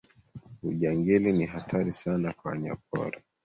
ujangili ni hatari sana kwa wanyapori